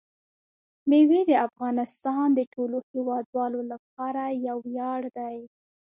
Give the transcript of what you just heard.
مېوې د افغانستان د ټولو هیوادوالو لپاره یو ویاړ دی.